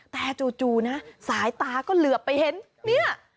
แต่จู่นะสายตาก็เหลือไปเห็นเนี่ย